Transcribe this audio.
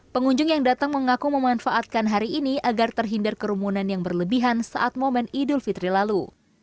pengunjung yang datang mengaku memanfaatkan hari ini agar terhindar kerumunan yang berlebihan saat momen idul fitri lalu